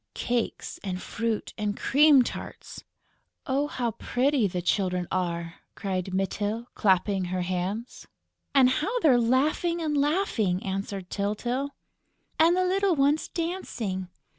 "Cakes and fruit and cream tarts." "Oh, how pretty the children are!" cried Mytyl, clapping her hands. "And how they're laughing and laughing!" answered Tyltyl. "And the little ones dancing!..."